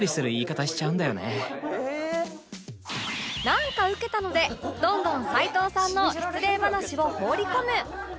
なんかウケたのでどんどん齊藤さんの失礼話を放り込む